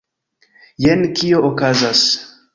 Jen kio okazas